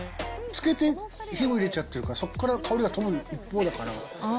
つけて火を入れちゃってるから、そこから香りが飛ぶ一方だから。